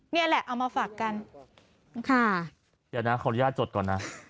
นี่แหละเอามาฝากกันอย่างนั้นขออนุญาตจดก่อนนะ